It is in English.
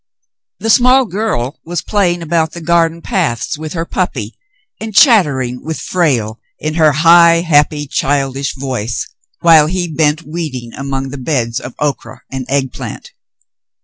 The small girl was playing about the garden paths with her puppy and chattering with Frale in her high, happy, childish voice, while he bent weeding among the beds of okra and egg plant.